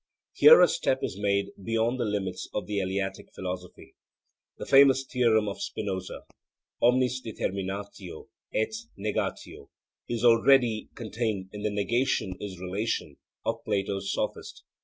Here a step is made beyond the limits of the Eleatic philosophy. The famous theorem of Spinoza, 'Omnis determinatio est negatio,' is already contained in the 'negation is relation' of Plato's Sophist.